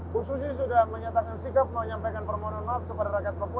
bu susi sudah menyatakan sikap menyampaikan permohonan maaf kepada rakyat papua